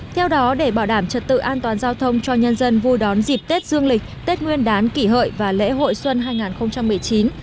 theo đó để bảo đảm trật tự an toàn giao thông cho nhân dân vui đón dịp tết dương lịch tết nguyên đán kỷ hợi và lễ hội xuân hai nghìn một mươi chín